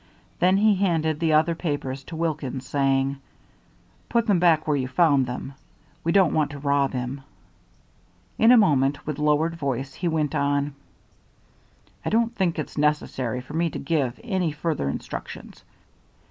Then he handed the other papers to Wilkins, saying: "Put them back where you found them. We don't want to rob him." In a moment, with lowered voice he went on: "I don't think it's necessary for me to give any further instructions.